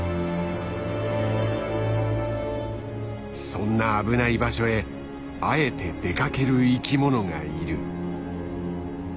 そんな危ない場所へあえて出かける生きものがいる。